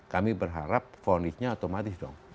kami berharap vonisnya otomatis dong